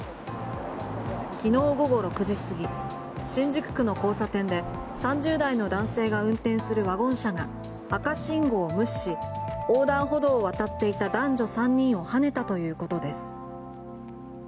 昨日午後６時すぎ新宿区の交差点で３０代の男性が運転するワゴン車が赤信号を無視し横断歩道を渡っていた男女３人をはねたということです。